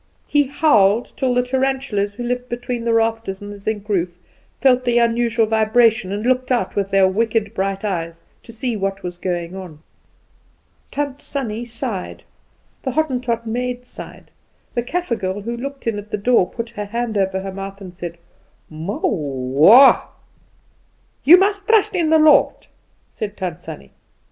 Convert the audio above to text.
He howled, till the tarantulas, who lived between the rafters and the zinc roof, felt the unusual vibration, and looked out with their wicked bright eyes, to see what was going on. Tant Sannie sighed, the Hottentot maid sighed, the Kaffer girl who looked in at the door put her hand over her mouth and said "Mow wah!" "You must trust in the Lord," said Tant Sannie.